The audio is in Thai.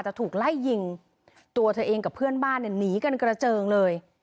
ถูกไล่ยิงตัวเธอเองกับเพื่อนบ้านเนี่ยหนีกันกระเจิงเลย